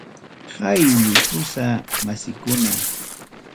Haylli kusa masiykuna.